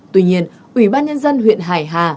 tuy nhiên ủy ban nhân dân huyện hải hà